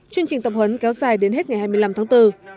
chương trình tập huấn kéo dài đến hết ngày hai mươi năm tháng bốn